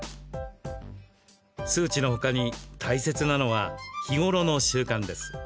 数値のほかに大切なのは日頃の習慣です。